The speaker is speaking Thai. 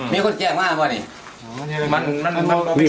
มีคนแจ้งมาหรือเปล่านี่